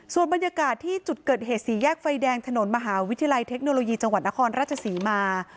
ส่วนบรรยากาศที่จุดเกิดเหตุสี่แยกไฟแดงถนนมหาวิทยาลัยเทคโนโลยีจังหวัดนครราชศรีมา